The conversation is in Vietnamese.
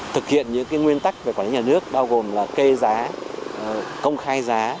thực hiện những nguyên tắc về quản lý nhà nước bao gồm là kê giá công khai giá